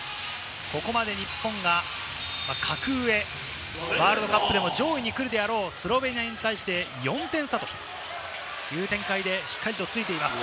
ここまで日本が格上、ワールドカップでも上位にくるであろうスロベニアに対して４点差。という展開でしっかりついています。